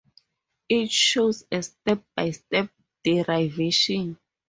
it shows a step-by-step derivation